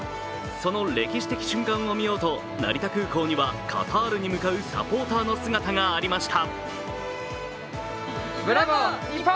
その歴史的瞬間を見ようと成田空港にはカタールに向かうサポーターの姿がありました。